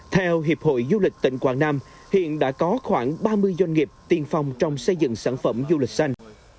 theo hiệp hội du lịch tỉnh quảng nam hiện đã có khoảng ba mươi doanh nghiệp tiên phong trong xây dựng sản phẩm du lịch xanh